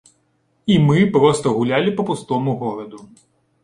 І мы проста гулялі па пустому гораду.